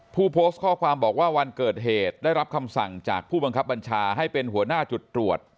ผู้โพสต์ข้อความบอกว่าวันเกิดเหตุได้รับคำสั่งจากผู้บังคับบัญชาให้เป็นหัวหน้าจุดตรวจ